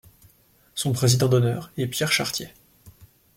Son président d'honneur est Pierre Chartier.